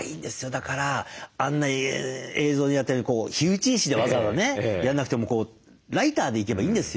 だからあんな映像でやったように火打ち石でわざわざねやんなくてもこうライターでいけばいいんですよ。